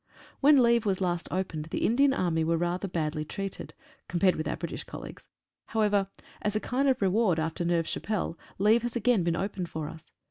When leave ■was last opened the Indian Army were rather badly treated, compared with our British colleagues. How ever, as a kind of reward after Neuve Chapelle, leave has. again been opened for us.